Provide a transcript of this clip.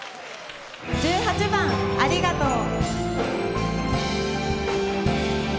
１８番「ありがとう」。